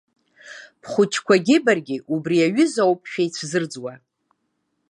Бхәыҷқәагьы баргьы убри азҩа ауп шәеицәзырӡуа.